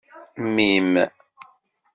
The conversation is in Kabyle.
Mmi-m.